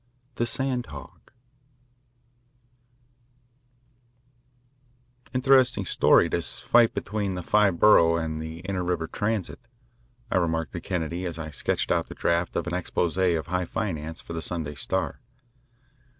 VI THE SAND HOG "Interesting story, this fight between the Five Borough and the Inter River Transit," I remarked to Kennedy as I sketched out the draft of an expose of high finance for the Sunday Star.